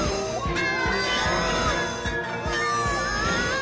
あ！